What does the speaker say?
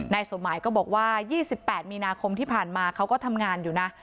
สมหมายก็บอกว่า๒๘มีนาคมที่ผ่านมาเขาก็ทำงานอยู่นะ